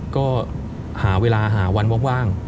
ก็หาเวลาหาวันว่าง